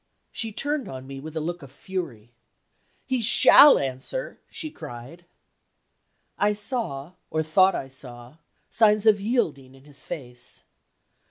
She turned on me with a look of fury. "He shall answer," she cried. I saw, or thought I saw, signs of yielding in his face.